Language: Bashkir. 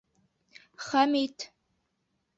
Хәмит